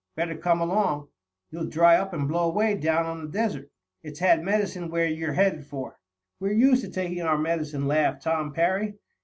Better come along. You'll dry up and blow away down on the desert. It's had medicine where you're headed for." "We're used to taking our medicine," laughed Tom Parry.